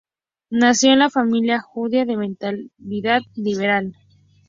Nació en una familia judía de mentalidad liberal.